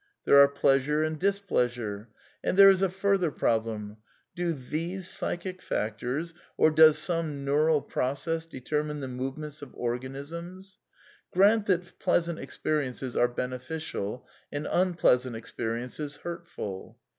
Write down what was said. There are pleasure and displeasure. And there is a further problem: Do these psychic factors, or does some neural process determine the movements of or ganisms ? Grant that pleasant experiences are beneficial and unpleasant experiences hurtful.